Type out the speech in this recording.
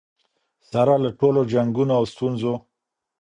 سره له ټولو جنګونو او ستونزو.